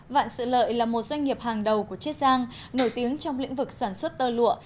vạn sự lợi là một doanh nghiệp hàng đầu của chiết giang nổi tiếng trong lĩnh vực sản xuất tơ lụa